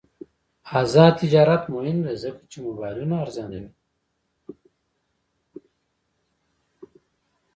آزاد تجارت مهم دی ځکه چې موبایلونه ارزانوي.